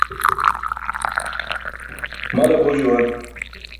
Male bo juwan.